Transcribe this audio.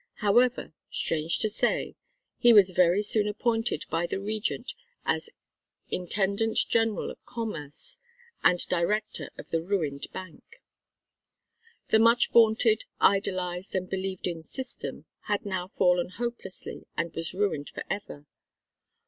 However strange to say he was very soon appointed by the Regent as Intendant General of Commerce and Director of the ruined bank. The much vaunted, idolised, and believed in "System" had now fallen hopelessly and was ruined forever.